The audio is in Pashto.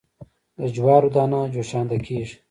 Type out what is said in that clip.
د جوارو دانه جوشانده کیږي.